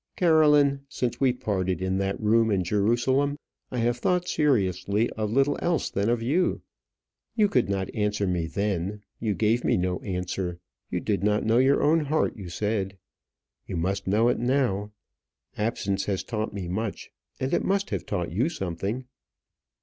Caroline, since we parted in that room in Jerusalem, I have thought seriously of little else than of you. You could not answer me then; you gave me no answer; you did not know your own heart, you said. You must know it now. Absence has taught me much, and it must have taught you something."